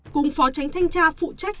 cùng phó tránh thanh tra phụ trách